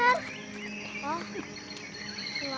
kamu kok ngelamun sih jer